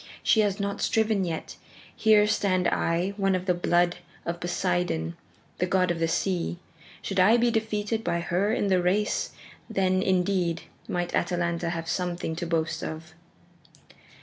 She has not striven yet. Here stand I, one of the blood of Poseidon, the god of the sea. Should I be defeated by her in the race, then, indeed, might Atalanta have something to boast of."